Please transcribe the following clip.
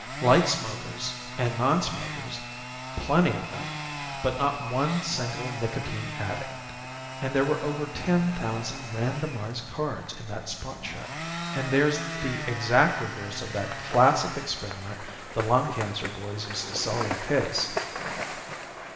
Light smokers and nonsmokers plenty of them but not one single nicotine addict. And there were over ten thousand randomized cards in that spot check. And there's the exact reverse of that classic experiment the lung cancer boys used to sell their case.